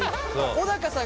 小高さんが。